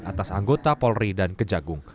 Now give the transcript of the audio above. atas anggota polri dan kejagung